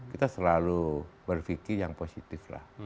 kita selalu berpikir yang positif lah